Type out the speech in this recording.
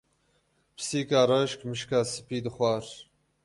Pisîka reş mişka spî dixwar.